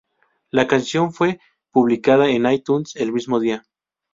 La canción fue publicada en iTunes el mismo día.